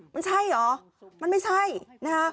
มันใช่เหรอมันไม่ใช่นะคะ